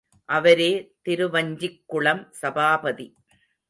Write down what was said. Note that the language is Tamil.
அவரே திருவஞ்சிக்குளம் சபாபதி.